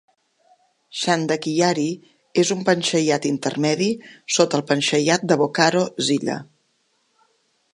Chandankiyari és un panchayat intermedi sota el panchayat de Bokaro Zilla.